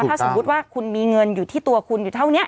ถ้าสมมุติว่าคุณมีเงินอยู่ที่ตัวคุณอยู่เท่านี้